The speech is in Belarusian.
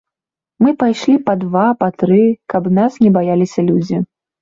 Мы пайшлі па два, па тры, каб нас не баяліся людзі.